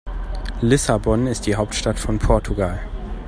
Lissabon ist die Hauptstadt von Portugal.